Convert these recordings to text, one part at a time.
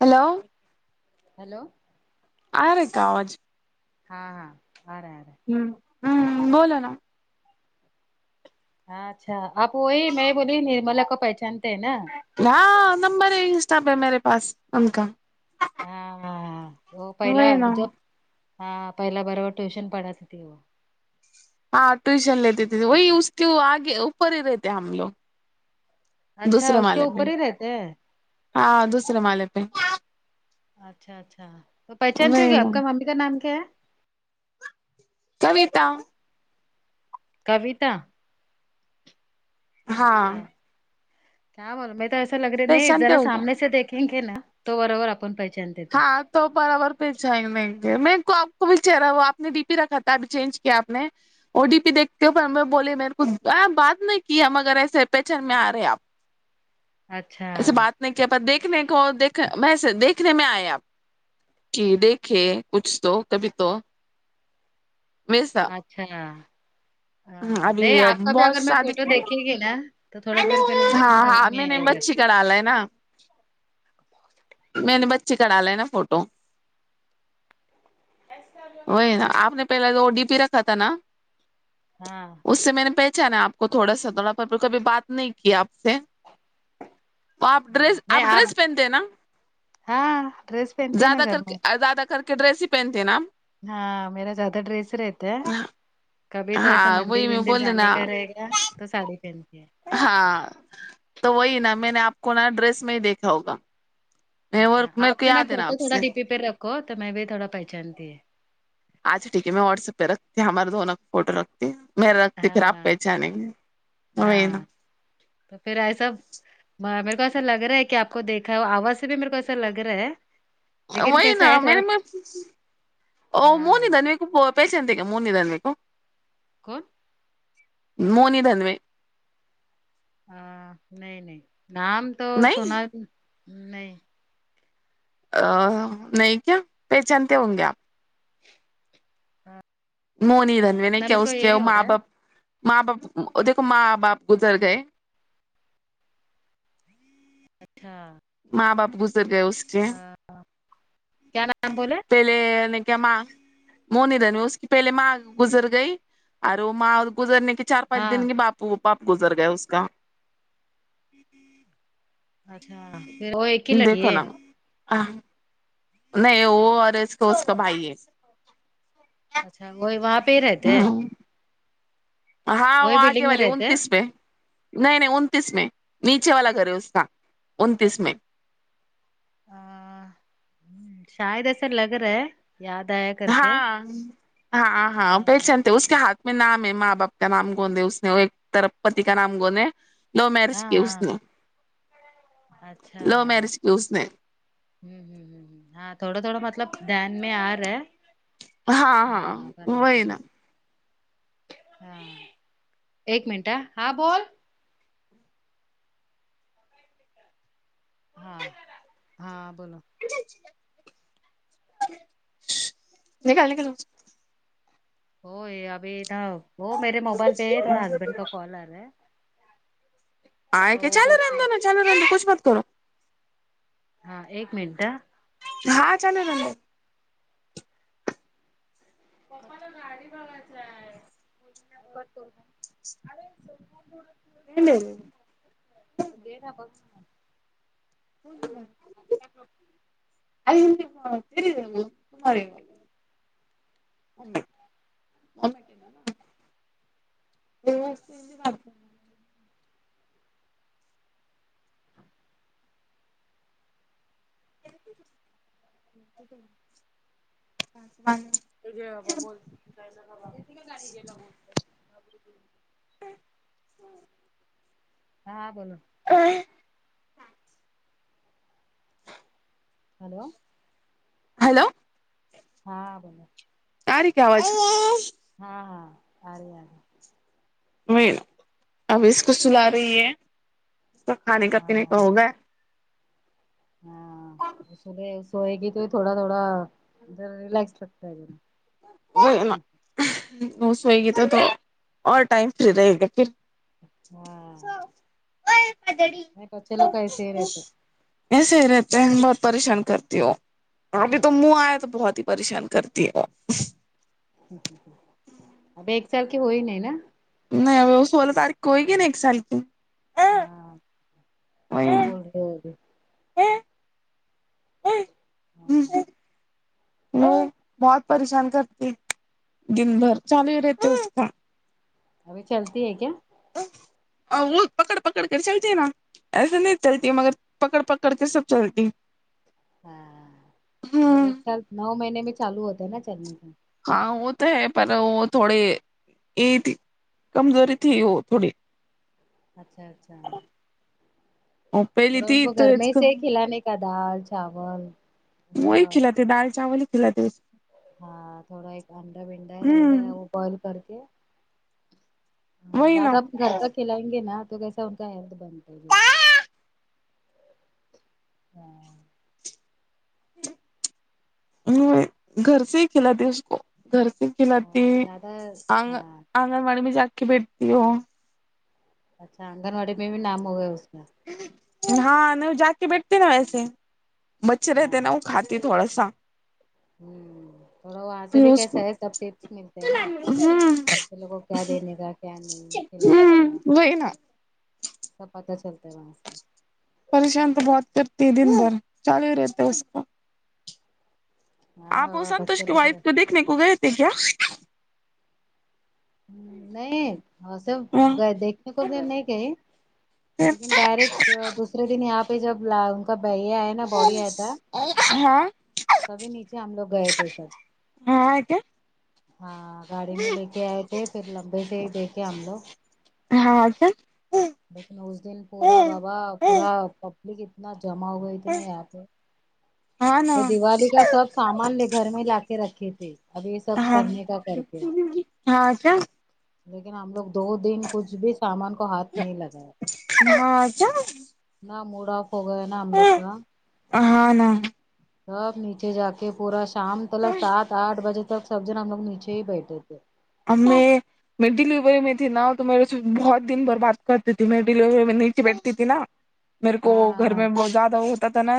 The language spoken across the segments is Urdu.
ہیلو ہیلو آرے کا آواز ہاں ہاں آ رہے آرہے ہوں ہوں بولو نا ہاں اچھا آپ وہی میں بولی نرملا کو پہچانتے ہیں نا ہاں نمبر ان اسٹپ ہے میرے پاس ان کا ہاں ہاں ہاں وہ پہلا وہی ا نا جب ہاں پہلا بار وہ ٹیوشن پڑھاتی تھی وہ ہاں ٹیوشن لیتے تھے وہی اس کے آگے اوپر ہی رہتےے ہم لوگ اچھا دوسرے اس کے معالے پہ اوپر ہی رہتے ہیں ہاں دوسرے معالے پہ اچھا اچھا تو پہچانتی ہو وہی کہ نا آپ کا ممی کا نام کیا ہے کویتا کویتا ہاں اچھا کیا بولے میں تو ایسا لگ رہا نہیں پہچانتے ذرا ہوگا سامنے سے دیکھیں گے نا تو برابر اپن پ ہاں تو برابر پہچانے نہیں گئے میرے کو آپ کو بھی چہرا وہ آپ نے ڈی پی رکھا تھا ابھی چینج کیا آپ نے وہ ڈی پی دیکھتے ہو بولی میرے کو بات نہیں کی ہم اگر ایسے پیچان میں آ رہے آپ اچھا ایسے بات نہیں کیا آپ دیکھنے کو دیکھ ویسے دیکھنے میں آئے آپ کہ دیکھے کچھ تو کبھی تو ویسا اچھا ہاں ابھی نہیں آپ کا بھی بہت اگر میں شادی فوٹو دیکھے گی نا تو تھوڑا پھر فھر آ کو بھی دھیان میں آئے گا گڑا لینا میں نے بچی کا ڈالے نا فوٹو وہ نا آپ نے پہلے وہ ا ڈی پی رکھا تھا نا ہاں اس سے میں نے پہچا نا آپ کو تھوڑا سا تھوڑا پر پ کبھی بات نہیں کیا آپ سے تو آپ ہاں ڈریس آپ نہیں ڈریس پہنتے ہیں نا ہاں ڈریس پہنتی ہے نا زیادہ گھر کر کے میں زیادہ کر کے ڈریس ہی پہنتے ہیں نا ہاں میرا زیادہ ڈریس رہتا ہے کبھی تو ایسا ہاں وہی مندر میں وندر بولے نا جانے کا رہے گا تو ساڑی پہنتی ہے ہاں تو وہی نا میں نے آپ کو نا ڈریس میں ہی دیکھا ہوگا نہیں اور اچھا میرے آپ کو کا نا یاد ہے فوٹو آپ تھوڑا سے ڈی پی پہ رکھو تو میں بھی تھوڑا پہچانتی ہے اچھا ٹھیک ہے میں واٹ سپ رکھتی ہیں ہمارے دونوں کا فوٹو رکھ میں رکھتی پھر آپ ہاں پہچانئینگے تو وہی نا ہاں تو پھر ایسا میرے کو ایسا لگ رہا ہے کے آپ کو دیکھا ہے اور آواز سے بھی میرے کو ایسا لگ رہا ہے لیکن وہی کیسا نا ہے تھوڑا میرے نے میرے ؤ ہاں مونی دانی پہچانتے کیا مونی دھن وے کو کون مونی دھن نے ہاں نہیں نہیں نام تو نہیں سنا نہیں ا نہیں کیا پہچانتے ہوں گے آپ مونی دھن میں نے اتنا کیا میرے کو اس یہ کے نہیں ہو رہا ماں ہے باپ ماں باپ دیکھو ماں باپ گزر گئے اچھا ماں باپ گزر گئے اس کے کیا نام بولے پ [unintelligible] مونی دھن میں اس کی پہلے ماں گزر گئی اور وہ ماں گزرنے کی چار پانچ ہاں دن کے باپو وہ باپ گزر گئے اس کا اچھا پھر وہ ایک ہی لڑکی دیکھو ہے نا اہ نہیں وہ اور اس کو اس کا بھائی ہے اچھا وہی وہاں پہ ہی رہتے ہیں ہاں وہاں آگے بلڈنگ میں والی رہتے ہے انتیس پے نہیں نہیں انتیس میں نیچے والا گھر ہے اس کا انتیس میں ا ہ شاید ایسا لگ رہا ہے یاد آ یا ہاں ہاں ہاں پہچانتے اس کا ہاتھ میں نام ہے ماں باپ کا نام گوند دے اس نے اور ایک طرف پتی کا نام گوند ہے لو میرج کی اس ہاں نے اچھا لو میرج کی اس نے ہوں ہوں ہ ہ ہاں تھوڑا تھوڑا مطلب دھیان میں آ رہا ہے ہاں ہاں برابر وہی بولے نا ہاں ایک منٹ آ ہاں بول ہاں ہاں بولو نکال نکال اسکو ہو یہ ابھی نہ وہ میرے موبائل پہ ہی تھوڑا ہسبینڈ کا کال آ رہا ہے آئی تو کیا وہ چلو بول رہے رہدونا چلو رہو کچھ مت کرو ہاں ایک منٹ آں ہاں چلو رہیندو پرسوں [inaudible] یہ لے لو اکیرا بس ری وہ سمار [unintelligible] ہ [inaudible] دے بات [unintelligible] ہاں بابا بول ن با گا گا بولتے [unintelligible] ہوں ہ [inaudible] ہاں بولو آہ ہیلو ہیلو ہاں بولو آ ری کیا آواز ہاں ہاں آرہی آواز وہی ابھی اس کو سلا رہی ہے اس کا کھانے کا پینے کا ہاں ہوگیا ہاں صبح سوئے گی تو تھوڑا تھوڑا ریلیکس لگتا ہے وہ ہے نا سوئے گی تو تو اور ٹائم فری رہے گا پھر سو ہاں نہیں بچے لوگ کا ایسے رہتے ایسے ہی رہتے ہیں بہت پریشان کرتی ہوں ابھی تو منہ آئے تو بہت ہی پریشان کرتی ہے وہ اب ایک سال کی ہوئی نہیں نا نہیں سولہ تاریخ کو ہوئی گی نہ ایک سال کی ہاں کیا وہی بول رہی ہو ابھی ہاں [unintelligible] وہ بہت پریشان کرتی دن بھر چالو ہی رہتے اس کا ابھی چلتی ہے کیا وہ پکڑ پکڑ کے چلتے ہے نہ ایسے نہیں چلتی مگر پکڑ پکڑ کے سب چلتی ہاں وہ ہوں ایک سال نو مہینے میں چالو ہوتے ہے نا چلنے تو ہاں وہ تو ہے پر وہ تھوڑی یہ تھی کمزوری تھی وہ تھوڑی اچھا اچھا وہ پہلی تھوڑا ان تھی کو تو گھر اس میں سے کھلانے کا دال چاول ایسا وہی کہلاتی دال چاول ہی کہلاتی ہاں تھوڑا ایک انڈا بنڈا کو۔ رہ گیا ہوں وہ بوئل کر کے ہاں وہی نا زیادہ اپ گھر کا کھلائیں گے نا تو کیسا [unintelligible] ہاں گھر سے ہی کھلاتی اس کو گھر سے ہی کھلاتی ہاں زیادہ آگن ہاں آنگن واڑی میں جا کر بیٹھتی ہو اچھا آنگن واڑی میں بھی نام ہو گیا اس کا ہاں نہیں وہ جا کے بیٹھتے نا ویسے بچے رہتے نا وہ کھا تھوڑا سا ہمم تھوڑا وہاں سے پھر بھی اس کیسا کو ہے سب ٹیپس ملتے ہیں نا ہوں بچھے لوگوں کو کیا دینے کا کیا نہیں کھلانے کا کوئی نہ سب پتاہ چلتا ہے وہاں سے پریشان تو بہت کرتی ہے دن بھر چالو ہی رہتے اس کو ہاں آپ وہ بابا سنتوش بچے کی لوگ وائف کو دیکھنے کو گئے تھے کیا نہیں سب دیکھنے کو نہیں کہیں ڈائریکٹ دوسرے دن یہاں پہ جب ان کا یہ آیا نا باڈی آیا تھا ہاں [unintelligible] سبھی نیچے ہم لوگ گئے تھے سر ہاں کیا ہاں گاڑی میں لے کے آئے تھے پھر لمبے سے ہی دیکھے ہم لوگ ہاں تو لیکن اس دن پورا بابا پورا پبلک اتنا جمع ہو گئی تھی نا یہاں پہ ہاں نا وہ دیوالی کا سب سامان گھر میں لا کے رکھے تھے اب یہ سب ہاں کرنے کا کرتے ہاں کیا لیکن ہم لوگ دو دن کچھ بھی سامان کو ہاتھ نہیں لگایا ہاںچ [unintelligible] نہ موڈ آف ہو گئے نا ہم لوگ کا اہنا سب نیچے جا کے پورا شام تلک سات آٹھ بجے تک سب جن ہم لوگ نیچے ہی بیٹھے تھے ہمیں میں ڈلیوری میں تھی نا تو میرے سے بہت دن بھر بات کرتی تھی میں ڈیلیوری میں نیچے بیٹھتی تھی نا میرے کو ہاں ہاں گھر میں بہت زیادہ وہ ہوتا تھا نا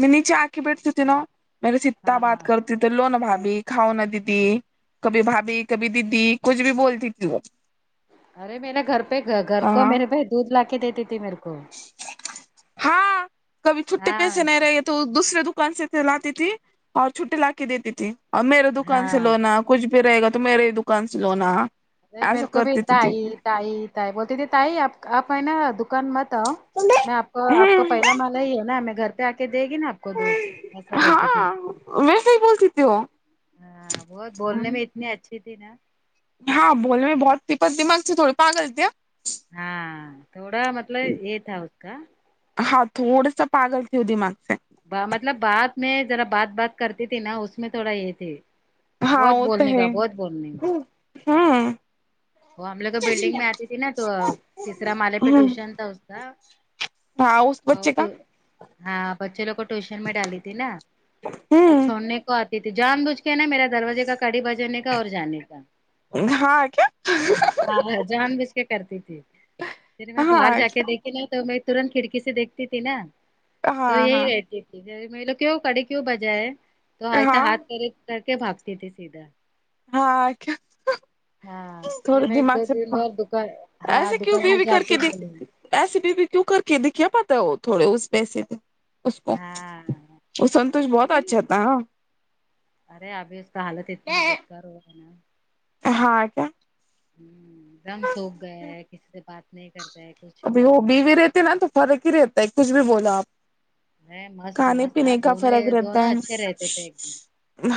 میں نیچے آ کے بیٹھتی تھی نا میرے سے اتا ہاں ہاں بات ہاں کرتے تھے لو نا بھابھی کھاؤ نا دیدی کبھی بھابھی کبھی ددی کچھ بھی بولتی تھی وہ ارے میرا گھر پہ گھر کو ہاں میرے بھائی دودھ لا کے دیتی تھی میرے کو ہاں کبھی چھٹے پیسے ہاں نہیں رہے تو دوسرے دکان سے لاتی تھی اور چھٹی لا کے دیتی تھی اور میرے دکان سے ہاں لونا اب کچھ بھی رہے گا تو میرے دکان سے لونا اے میرے ایسا کو بھی کرتی تھی تھی تائی تائی تائی بولتی تھی تائی آپ آپ ہے نا دک دکان مت آؤں میں آپ کا آپ کا ہوں پہلا مالا ہی ہے نا ہمیں گھر پہ آ کے دے گی نا آپ کو دو کیسا بولتی تھی ہاں ویسے ہی بولتی تھی وہ ہاں بہت بولنے میں اتنی اچھی تھی نا ہاں بولنے میں بہت تھی پر دماغ سے تھوڈی پاگل تھی ہاں ہاں تھوڑا مطلب یہ تھا اس کا ہاں تھوڑا سا پاگل تھے دماغ سے مطلب بعد میں ذرا بات بات کرتی تھی نا اس میں تھوڑا یہ تھی ہاں بہت وہ تو بولنے ہے کا بہت بولنے کا ہوں ہوں وہ ہم لوگ کے بلڈنگ میں آتی تھی نا تو تیسرا مالے پہ ٹیوشن تھا اس کا ہاں اس اور بچے کا تو- ہاں بچے لوگ کو ٹیوشن میں ڈالی تھی نا تو ہوں چھوڑ نے آتی تھی جان بوجھ کے نا میرا دروازے کا کڑی بجانے کا اور جانے کا ہاں آ کیا ہاں ہاں ہاں جانبوچ کے کرتی تھی پھر میں ہاں باہر جا کے دیکھی تو میں ترنت کھڑکی سے دیکھتی تھی نا تو ہاں یہی ہاں رہتھی لو کیوں کڑے کیوں بجائے تو ایسا ہاں ہاتھ کے کر کے بھاگتی تھی سیدھا ہاں کیا ہاں پھر تھوڑے میں ایک دماغ دو سے دن اور دکان ہاں ایسے کیوں دکان بھی میں بھی جا کر کے دیکھ بولی ایسے بھی بھی کیوں کر کے دکھیا پتا ہے ہو تھوڑے اس پیسے میں اس کو ہاں وہ سنتوش بہت لیکن اچھا تھا ارے ابھی اس کا حالت اتنا بیکار ہوا ہے نا ہاں کیا ایک دم سوکھ گیا ہے کسی سے بات نہیں کرتا ہے کچھ ابھی ہو نہیں بیوی رہتے ہے نا تو فرق ہی رہتا ہے کچھ بھی بولا آپ میں مست کھانے مست ہاں پینے کا دونوں فرق رہتا دونوں ہے اچھے رہتے تھے ایک دم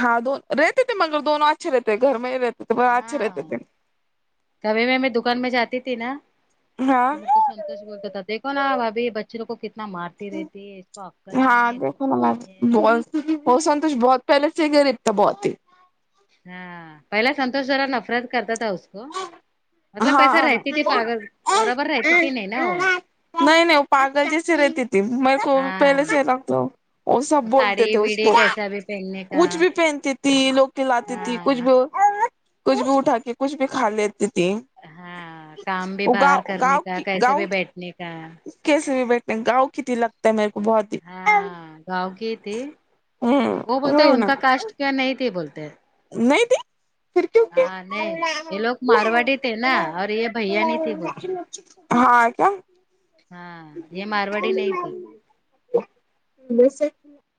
ہاں دون رہتے تھے مگر دونوں اچھے رہتے گھر میں ہی رہتے تھے اچھے رہتے ہاں تھے کبھی میں دکان میں جاتی تھی نا ہاں تو میرے کو سن ایسا بولتا تھا دیکھوں نا بھابھی بچ کچھ لوگ کو کتنا مارتی رہتی ہے اس کو عقل نہیں ہاں ہے دیکھو کچھ نا نہیں ہے بہت وہ سنتوش بہت پہلے سے ہی غریب تھا بہت ہی ہاں پہلا سنتوش ذرا نفرت کرتا تھا اس کو مطلب ویسے ہاں نا رہتی تھی پاگل برابر رہتی تھی نہیں نا ہو نہیں نہیں پاگل جسے رہےتی میرے کو ہاں پہلے سے لگ وہ سب وہ بولتے ساڑی تھے اس بیڑی کو کیسا بھی پہننے کا کچھ بھی پہنتی تھی لوگ کلاتی تھی کچھ ہاں بھی کچھ بھی اٹھا کے کچھ بھی کھا لیتی تھی ہاں کام بھی وہ باہر گاؤں کرنے گاؤں کا کی کیسے بھی گاؤں بیٹھنے کا کیسے بھی بیٹھنے گاؤں کی تھی لگتا ہے میرے کو بہت ہی ہاں گاؤں کی تھے ہوں وہ بولتے وہی ان نا کا کاسٹ کا نہیں تھے بولتے نہیں تھی ہاں نہیں یہ لوگ مارواڑی تھے نا اور یہ بھیا نہیں تھے بولتے ہاں کیا ہاں یہ مارواڑی نہیں تھی ویسے